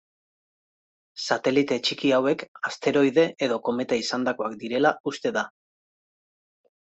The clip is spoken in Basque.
Satelite txiki hauek asteroide edo kometa izandakoak direla uste da.